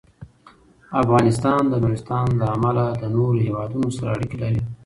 افغانستان د نورستان له امله له نورو هېوادونو سره اړیکې لري.